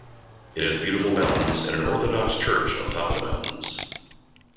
It has beautiful mountains and an Orthodox church on top of the mountains.